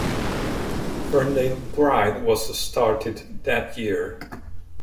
Ferndale Pride was started that year.